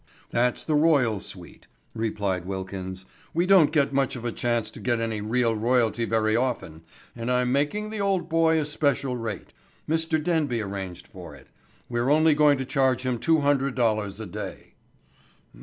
"That's the royal suite," replied Wilkins. "We don't get much of a chance to get any real royalty very often, and I'm making the old boy a special rate. Mr. Denby arranged for it. We're only going to charge him two hundred dollars a day."